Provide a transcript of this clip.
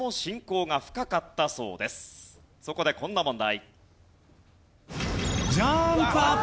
そこでこんな問題。